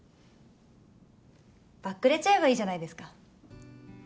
バックレちゃえばいいじゃないですか。